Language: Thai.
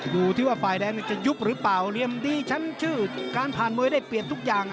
ดูที่ว่าฝ่ายแดงจะยุบหรือเปล่าเหลี่ยมดีชั้นชื่อการผ่านมวยได้เปรียบทุกอย่าง